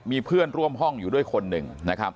มีเพื่อนร่วมห้องอยู่ด้วยคนหนึ่งนะครับ